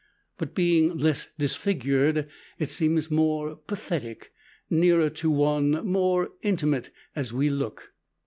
But being less disfigured, it seems more pathetic, nearer to one, more intimate, as we look.